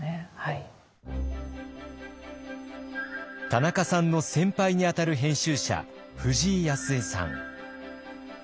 田中さんの先輩に当たる編集者藤井康栄さん。